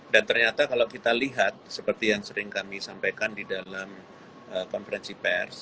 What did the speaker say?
dan ternyata kalau kita lihat seperti yang sering kami sampaikan di dalam konferensi pers